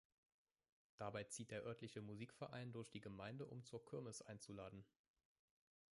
Dabei zieht der örtliche Musikverein durch die Gemeinde um zur Kirmes einzuladen.